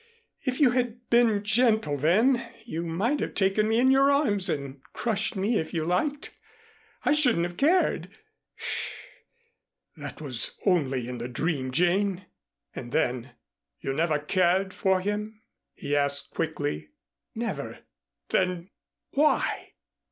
If you had been gentle then, you might have taken me in your arms and crushed me if you liked. I shouldn't have cared." "Sh that was only in the dream, Jane." And then: "You never cared for him?" he asked quickly. "Never." "Then why